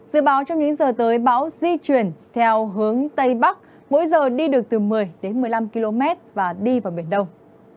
dự báo trong những giờ tới bão di chuyển theo hướng tây bắc mỗi giờ đi được từ một mươi đến một mươi năm km và đi vào biển đông